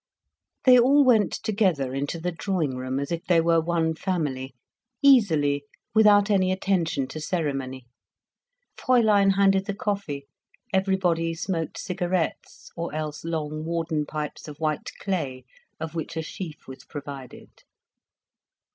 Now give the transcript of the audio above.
They all went together into the drawing room, as if they were one family, easily, without any attention to ceremony. Fräulein handed the coffee, everybody smoked cigarettes, or else long warden pipes of white clay, of which a sheaf was provided.